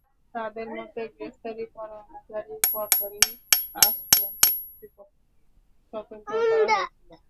তাঁদের মতে, গ্রেপ্তারি পরোয়ানা জারির পরপরই কাস্টমস কর্তৃপক্ষকে সতর্ক করা হয়েছিল।